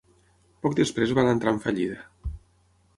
Poc després van entrar en fallida.